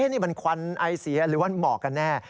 นี่มันควันไอเสียหรือว่าหมอกกันแน่